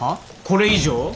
これ以上？